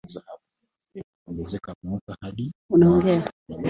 limekuwa likiongezeka mwaka hadi mwaka